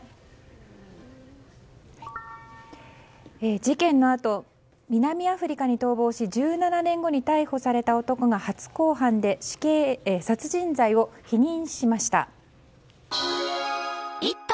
事件のあと南アフリカに逃亡し１７年後に逮捕された男が初公判で殺人罪を否認しました。